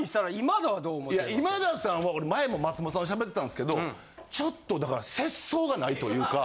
いや今田さんは俺前も松本さんと喋ってたんですけどちょっとだから。というか。